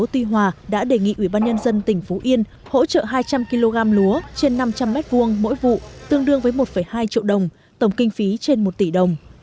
tuy hòa đã đề nghị ubnd tỉnh phú yên hỗ trợ hai trăm linh kg lúa trên năm trăm linh m hai mỗi vụ tương đương với một hai triệu đồng tổng kinh phí trên một tỷ đồng